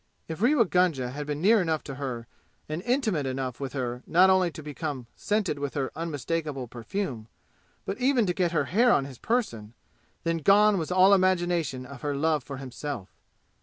If Rewa Gunga had been near enough to her and intimate enough with her not only to become scented with her unmistakable perfume but even to get her hair on his person, then gone was all imagination of her love for himself!